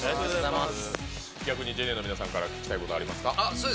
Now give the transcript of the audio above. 逆にジェネの皆さんから聞きたいことありますか？